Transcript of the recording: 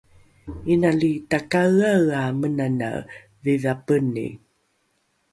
inali takaeaea menanae dhidhapeni